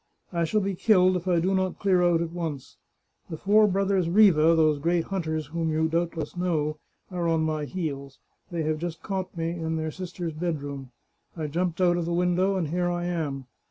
I shall be killed if I do not clear out at once. The four brothers Riva, those great hunters whom you doubtless know, are on my heels. They have just caught me in their sister's bedroom. I jumped out of the window, and here I am.